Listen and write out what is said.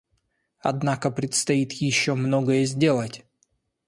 Однако предстоит еще многое сделать.